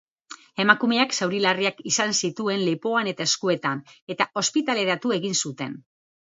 Emakumeak zauri larriak izan zituen lepoan eta eskuetan, eta ospitaleratu egin zuten.